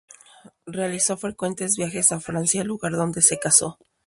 Realizó frecuentes viajes a Francia, lugar donde se casó.